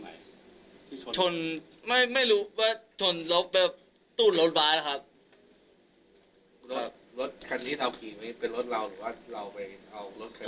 ที่ชนไม่ไม่รู้ว่าชนเราไปตูนรถบ้านหรอครับครับรถคันนี้เท่าที่นี่เป็นรถเราหรือว่าเราไปเอารถ